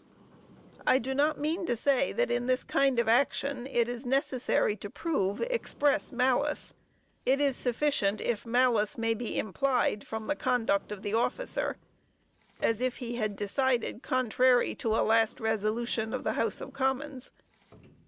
"I do not mean to say, that in this kind of action, it is necessary to prove express malice. It is sufficient if malice may be implied from the conduct of the officer; as if he had decided contrary to a last resolution of the House of Commons.